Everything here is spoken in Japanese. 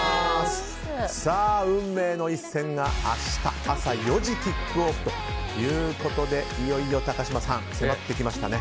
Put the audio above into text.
運命の一戦が明日朝４時キックオフということでいよいよ高嶋さん迫ってきましたね。